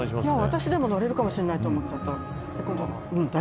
私でも乗れるかもしれないと思っちゃった。